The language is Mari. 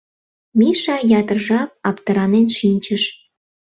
Миша ятыр жап аптыранен шинчыш.